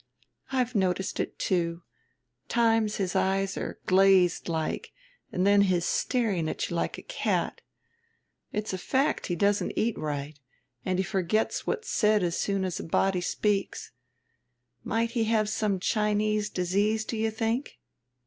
"I've noticed it too: times his eyes are glazed like, and then his staring at you like a cat. It's a fact he doesn't eat right, and he forgets what's said as soon as a body speaks. Might he have some Chinese disease, do you think?"